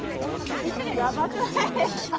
やばくないですか。